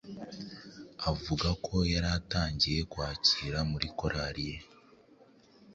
Avuga ko ubwo yari atangiye kwakira muri korali ye